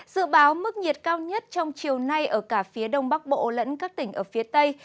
dự báo mức nhiệt cao nhất trong chiều nay ở cả phía đông bắc bộ lẫn các tỉnh ở phía tây